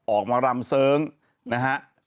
ออกมารำเสิร์งนะฮะ